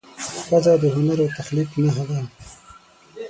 ښځه د هنر او تخلیق نښه ده.